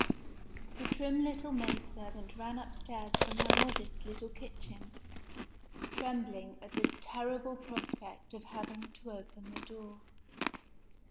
THE trim little maid servant ran upstairs from her modest little kitchen, trembling at the terrible prospect of having to open the door.